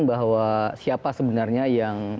bahwa siapa sebenarnya yang